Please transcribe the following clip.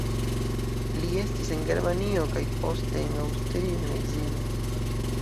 Li estis en Germanio kaj poste en Aŭstrio en ekzilo.